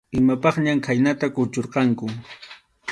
Imapaqñam khaynata kuchurqanku.